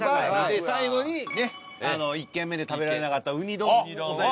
で最後にねっ１軒目で食べられなかったウニ丼押さえてますから。